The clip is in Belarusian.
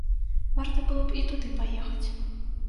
Варта было б і туды паехаць.